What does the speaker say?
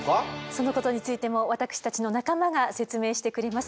そのことについても私たちの仲間が説明してくれます。